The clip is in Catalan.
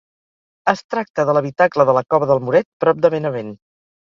Es tracta de l'habitacle de la Cova del Moret, prop de Benavent.